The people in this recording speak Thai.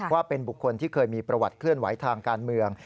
ว่าเป็นบุคคลที่เคยมีประวัติเคลื่อนไหวทางการเมือง